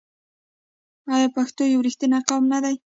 آیا پښتون یو رښتینی قوم نه دی؟